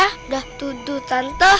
udah tuduh tante